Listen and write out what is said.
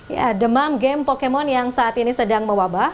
ya demam game pokemon yang saat ini sedang mewabah